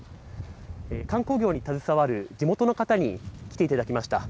観光業に携わる地元の方に来ていただきました。